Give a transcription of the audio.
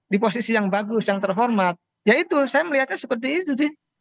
di posisi yang bagus yang terhormat ya itu saya melihatnya seperti itu sih